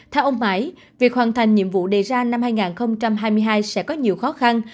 theo ông mãi việc hoàn thành nhiệm vụ đề ra năm hai nghìn hai mươi hai sẽ có nhiều khó khăn